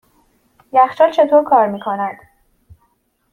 یخچال چطور کار میکند؟